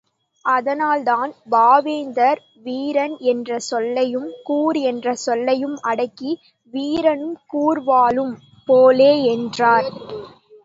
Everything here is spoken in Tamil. அதனால்தான், பாவேந்தர், வீரன் என்ற சொல்லையும் கூர் என்ற சொல்லையும் அடக்கி வீரனும் கூர்வாளும் போலே என்றார்.